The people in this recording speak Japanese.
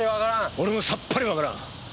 俺もさっぱりわからん。